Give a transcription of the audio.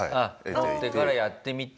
取ってからやってみて。